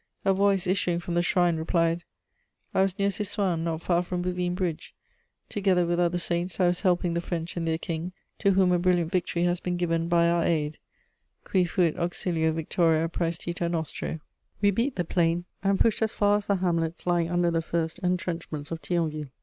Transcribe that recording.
A voice issuing from the shrine replied: "I was near Cisoing, not far from Bouvines Bridge; together with other saints, I was helping the French and their King, to whom a brilliant victory has been given by our aid: cui fuit auxilio victoria præstita nostro." * [Sidenote: Fierce fighting.] We beat the plain and pushed as far as the hamlets lying under the first entrenchments of Thionville.